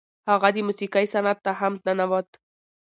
هغه د موسیقۍ صنعت ته هم ننوت.